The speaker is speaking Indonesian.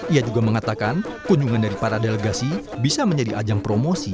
ia juga mengatakan kunjungan dari para delegasi bisa menjadi ajang promosi